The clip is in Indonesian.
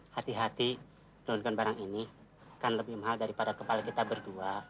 hati hati menurunkan barang ini kan lebih mahal daripada kepala kita berdua